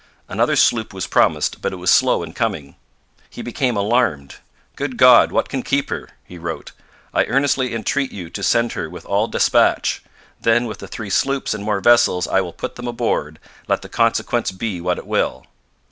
Another sloop was promised, but it was slow in coming. He became alarmed. 'Good God, what can keep her!' he wrote. 'I earnestly entreat you to send her with all despatch... Then with the three sloops and more vessels I will put them aboard, let the consequence be what it will.'